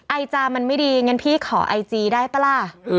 ไอจามันไม่ดีงั้นพี่ขอไอจีได้ป่ะล่ะ